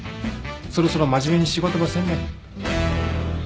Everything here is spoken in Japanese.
そろそろ真面目に仕事ばせんね。